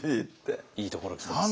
いいところついてますね。